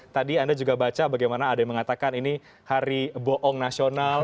tadi anda juga baca bagaimana ada yang mengatakan ini hari bohong nasional